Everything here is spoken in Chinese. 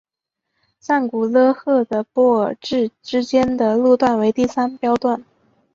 赞古勒赫的波尔至之间的路段为第三标段。